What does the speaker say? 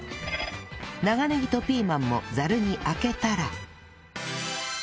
長ネギとピーマンもザルにあけたら